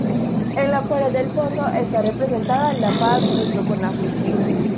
En la pared del fondo está representada la Paz junto con la Justicia.